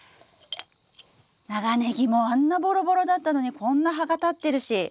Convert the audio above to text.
長ネギもあんなボロボロだったのにこんな葉が立ってるし。